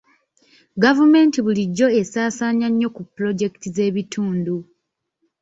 Gavumenti bulijjo esaasaanya nnyo ku pulojekiti z'ebitundu.